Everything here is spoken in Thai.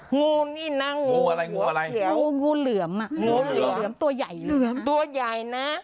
งูนี่นะงูหัวเกลียวงูเหลือมอ้ะตัวใหญ่นะ